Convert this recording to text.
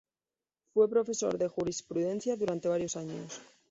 Fue profesor de jurisprudencia durante varios años.